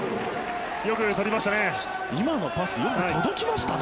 よく取りましたね。